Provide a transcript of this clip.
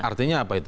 artinya apa itu